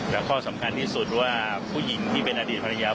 และข้อสำคัญที่สุดว่าผู้หญิงที่เป็นอดีตภรรยา